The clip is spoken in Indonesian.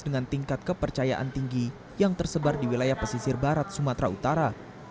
dengan tingkat kepercayaan tinggi yang tersebar di wilayah pesisir barat sumatera utara